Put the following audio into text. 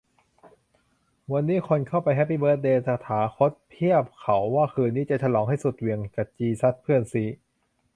วันนี้คนเข้าไปแฮปปี้เบิร์ธเดย์ "ตถาคต" เพียบ เขาว่าคืนนี้จะฉลองให้สุดเหวี่ยงกะจีซัสเพื่อนซี้